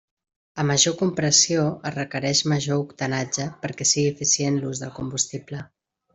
A major compressió es requereix major octanatge perquè sigui eficient l'ús del combustible.